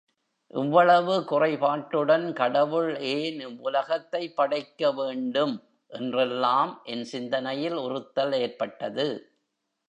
இவ்வளவு குறைபாட்டுடன் கடவுள் ஏன் இவ்வுலகத்தைப் படைக்க வேண்டும்? என்றெல்லாம் என் சிந்தனையில் உறுத்தல் ஏற்பட்டது.